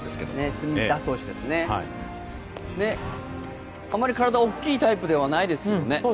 隅田投手ですね、あまり体が大きいタイプではないですよね。